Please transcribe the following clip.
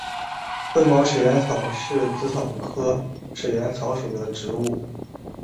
灰毛齿缘草是紫草科齿缘草属的植物。